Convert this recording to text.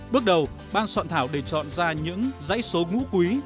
bước đầu ban soạn thảo đề chọn ra những dãy số ngũ quý